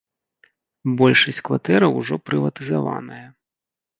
Большасць кватэраў ужо прыватызаваная.